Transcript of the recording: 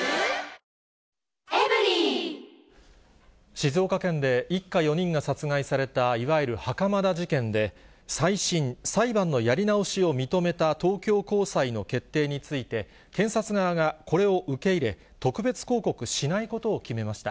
静岡県で一家４人が殺害された、いわゆる袴田事件で、再審・裁判のやり直しを認めた東京高裁の決定について、検察側が、これを受け入れ、特別抗告しないことを決めました。